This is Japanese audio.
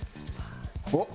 おっ？